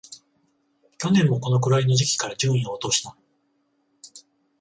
去年もこのくらいの時期から順位を落とした